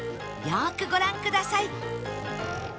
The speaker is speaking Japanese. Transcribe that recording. よーくご覧ください！